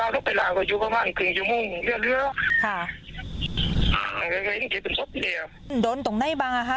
เดี๋ยวสมผู้ถ่วยน้ำช่วยบ้านพังมากให้การเฝ้าล้ม